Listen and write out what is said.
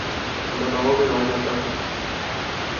دباو میں آ جاتا ہوں